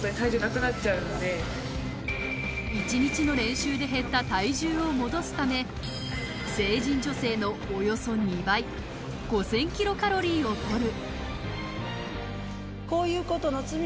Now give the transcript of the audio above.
１日の練習で減った体重を戻すため成人女性のおよそ２倍、５０００キロカロリーを取る。